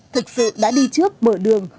thực sự đã đi trước mở đường